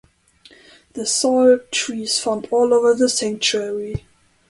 The ‘sal’ tree is found all over the sanctuary.